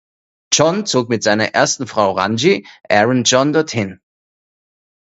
John zog mit seiner ersten Frau Ranji (Aaron) John dorthin.